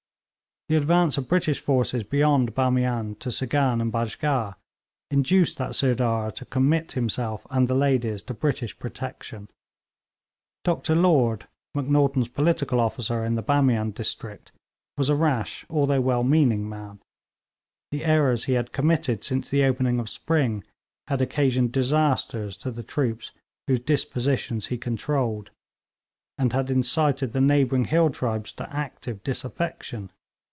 The advance of British forces beyond Bamian to Syghan and Bajgah, induced that Sirdar to commit himself and the ladies to British protection. Dr Lord, Macnaghten's political officer in the Bamian district, was a rash although well meaning man. The errors he had committed since the opening of spring had occasioned disasters to the troops whose dispositions he controlled, and had incited the neighbouring hill tribes to active disaffection.